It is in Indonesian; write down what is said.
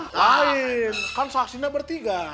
lain kan saksinya bertiga